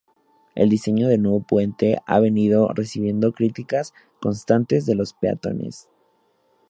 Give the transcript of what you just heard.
El diseño del nuevo puente ha venido recibiendo críticas constantes de los peatones.